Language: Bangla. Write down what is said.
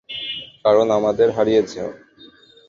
কারণ আমাদের হারিয়েছ।